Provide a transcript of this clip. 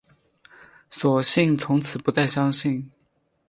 索性从此不再相信